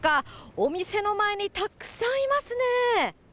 お店の前にたくさんいますね。